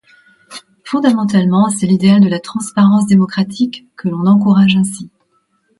Fondamentalement, c'est l'idéal de la transparence démocratique que l'on encourage ainsi.